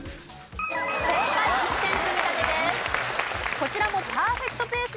こちらもパーフェクトペースです。